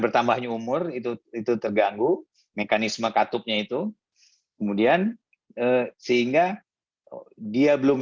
bertambahnya umur itu itu terganggu mekanisme katupnya itu kemudian sehingga dia belum